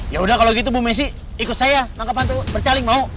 yaudah kalau gitu bu messi ikut saya nangkap hantu bercaling mau